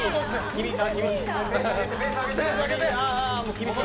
厳しい！